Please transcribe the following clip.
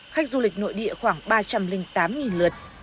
khách du lịch nội địa khoảng ba trăm linh tám lượt